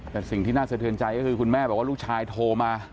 แต่สิ่งที่น่าสะเทือนใจก็คือคุณแม่บอกว่าลูกชายโทรมา